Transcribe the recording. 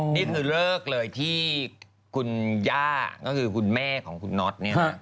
นี่คือเลิกเลยที่คุณย่าก็คือคุณแม่ของคุณนอท